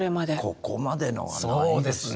ここまでのはないですよね。